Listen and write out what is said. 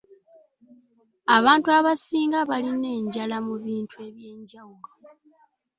Abantu abasinga balina enjala mu bintu eby’enjawulo.